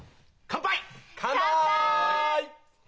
乾杯！